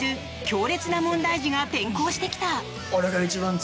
強烈な問題児が転校してきた。